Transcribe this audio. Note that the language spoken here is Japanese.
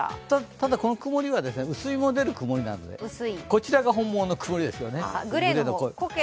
ただ、この曇りは薄雲も出る曇りなので、こちらが本物の曇りですね。